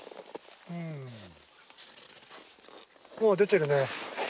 うんもう出てるね。